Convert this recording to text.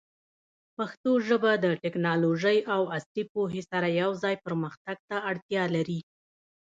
پښتو ژبه د ټیکنالوژۍ او عصري پوهې سره یوځای پرمختګ ته اړتیا لري.